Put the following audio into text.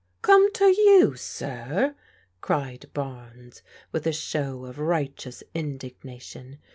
"Come to you, sir!" cried Barnes, with a show of righteous indignation.